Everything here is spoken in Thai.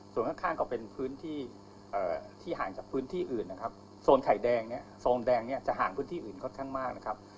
ส่วนข้างก็เป็นพื้นที่ที่ห่างจากพื้นที่อื่นนะครับโซนไข่แดงเนี่ยโซนแดงเนี่ยจะห่างพื้นที่อื่นค่อนข้างมากนะครับ